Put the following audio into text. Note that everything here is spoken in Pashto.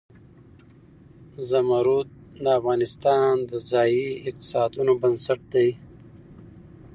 زمرد د افغانستان د ځایي اقتصادونو بنسټ دی.